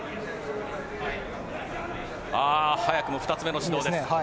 早くも２つ目の指導です。